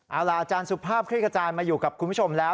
เอาล่ะอาจารย์สุภาพคลิกระจายมาอยู่กับคุณผู้ชมแล้ว